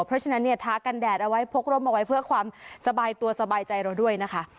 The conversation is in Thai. เพราะฉะนั้นเนี่ยท้ากันแดดเอาไว้พกร่มเอาไว้เพื่อความสบายตัวสบายใจเราด้วยนะคะ